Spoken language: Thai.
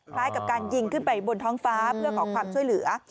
คล้ายกับการยิงขึ้นไปบนท้องฟ้าเพื่อขอความช่วยเหลือ